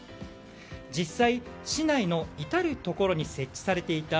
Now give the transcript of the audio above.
実際、市内の至るところに設置されていた